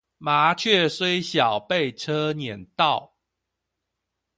麻雀雖小，被車輾到